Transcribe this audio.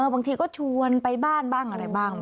บางทีก็ชวนไปบ้านบ้างอะไรบ้าง